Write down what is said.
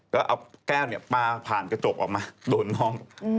แล้วเอาแก้วปลาผ่านกระจกออกมาโดนห้อง